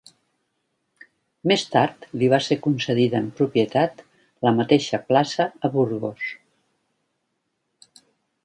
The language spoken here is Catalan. Més tard li va ser concedida en propietat, la mateixa plaça a Burgos.